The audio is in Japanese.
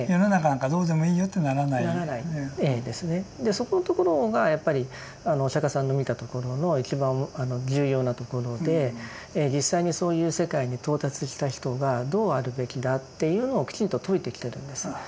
そこのところがやっぱりお釈迦さんの見たところの一番重要なところで実際にそういう世界に到達した人がどうあるべきだっていうのをきちんと説いてきてるんです。